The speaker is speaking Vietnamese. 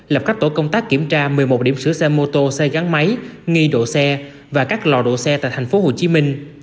lập các tổ công tác kiểm tra một mươi một điểm sửa xe mô tô xe gắn máy nghi độ xe và các lò độ xe tại thành phố hồ chí minh